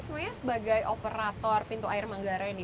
sebenarnya sebagai operator pintu air manggarai nih